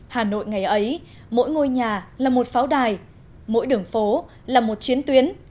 hà nội ngày ấy mỗi ngôi nhà là một pháo đài mỗi đường phố là một chiến tuyến